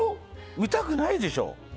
見たくないでしょ？